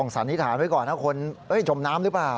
สันนิษฐานไว้ก่อนนะคนจมน้ำหรือเปล่า